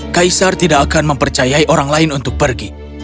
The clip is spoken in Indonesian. kaisar tidak akan mempercayai orang lain untuk pergi